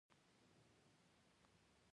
افغانستان د چرګانو د روزنې له مخې پېژندل کېږي.